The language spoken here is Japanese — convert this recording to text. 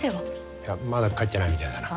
いやまだ帰ってないみたいだな。